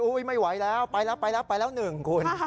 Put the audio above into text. โอ้ยไม่ไหวแล้วไปแล้วไปแล้วไปแล้วหนึ่งคุณ